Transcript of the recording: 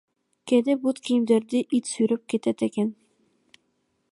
Кээде бут кийимдерди ит сүйрөп кетет экен.